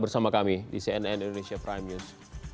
bersama kami di cnn indonesia prime news